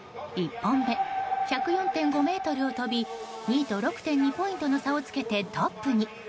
１本目、１０４．５ｍを飛び２位と６．２ポイントの差をつけてトップに。